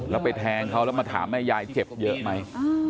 แล้วไปแทงเขาแล้วมาถามแม่ยายเจ็บเยอะไหม